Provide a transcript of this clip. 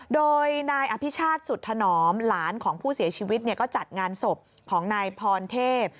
โดยนายอภิชาติสุดถนอมหลานของผู้เสียชีวิตก็จัดงานศพของนายพรเทพ